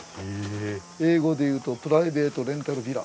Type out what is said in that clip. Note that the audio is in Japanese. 英語で言うとプライベートレンタルビラ。